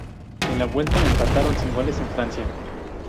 En la vuelta, empataron sin goles en Francia.